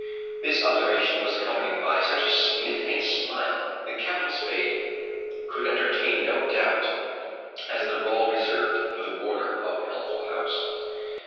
This observation was accompanied by such a significant smile that Captain Spade could entertain no doubt as to the rôle reserved for the warder of Healthful House.